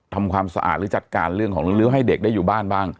ทำความสะอาดหรือจัดการเรื่องของลื้อให้เด็กได้อยู่บ้านบ้าง